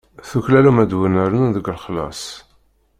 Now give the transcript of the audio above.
Tuklalem ad wen-rnun deg lexlaṣ.